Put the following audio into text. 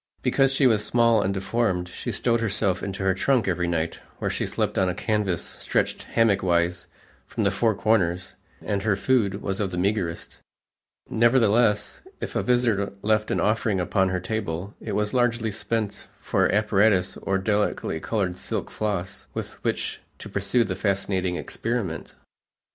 Because she was small and deformed, she stowed herself into her trunk every night, where she slept on a canvas stretched hammock wise from the four corners and her food was of the meagerest; nevertheless if a visitor left an offering upon her table, it was largely spent for apparatus or delicately colored silk floss, with which to pursue the fascinating experiment.